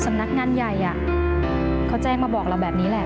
สำนักงานใหญ่เขาแจ้งมาบอกเราแบบนี้แหละ